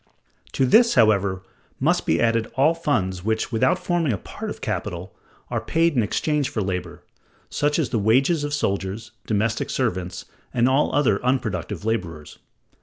To this, however, must be added all funds which, without forming a part of capital, are paid in exchange for labor, such as the wages of soldiers, domestic servants, and all other unproductive laborers.